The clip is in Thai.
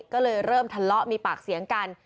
ก็เลยเริ่มทะเลาะมีปากเสียงกัน